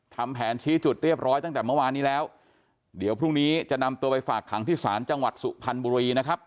ทำแผนชี้จุดเรียบร้อยตั้งแต่เมื่อวานนี้แล้วเดี๋ยวพรุ่งนี้จะนำตัวไปฝากขังที่ศาลจังหวัดสุพรรณบุรีนะครับ